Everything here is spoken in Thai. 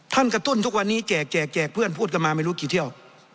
กระตุ้นทุกวันนี้แจกแจกเพื่อนพูดกันมาไม่รู้กี่เที่ยว